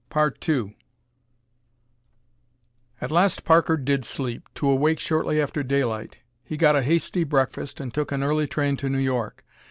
At last Parker did sleep, to awake shortly after daylight. He got a hasty breakfast and took an early train to New York.